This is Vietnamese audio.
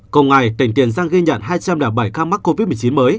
cùng ngày tỉnh tiền giang ghi nhận hai trăm linh bảy ca mắc covid một mươi chín mới